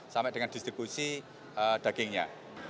sampai dengan distribusi dagingnya